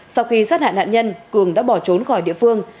sau khi sát hại nạn nhân cường đã bỏ trốn khỏi địa phương